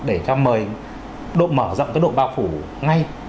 để cho mời độ mở rộng cái độ bao phủ ngay